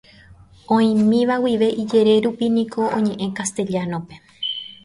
Oĩmíva guive ijere rupi niko oñe'ẽ Castellano-pe.